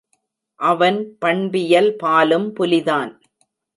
அவன், பண்பியல்பாலும் புலிதான்!